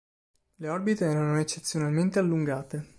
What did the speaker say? Le orbite erano eccezionalmente allungate.